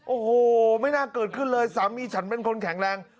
โอ้โหไม่น่าเกิดขึ้นเลยสามีฉันเป็นคนแข็งแรง